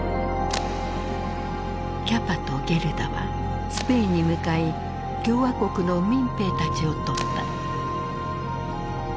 キャパとゲルダはスペインに向かい共和国の民兵たちを撮った。